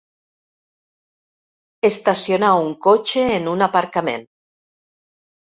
Estacionar un cotxe en un aparcament.